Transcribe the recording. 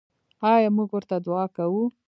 آیا موږ ورته دعا کوو؟